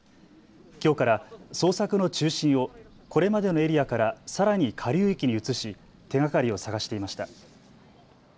きょうから捜索の中心をこれまでのエリアからさらに下流域に移し手がかりを探していました。